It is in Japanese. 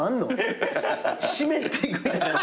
湿っていくみたいな感じ。